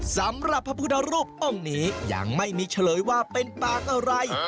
สำหรับพระพุทธรูปองค์นี้ยังไม่มีเฉลยว่าเป็นปางอะไร